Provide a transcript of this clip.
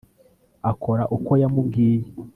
akora uko yamubwiye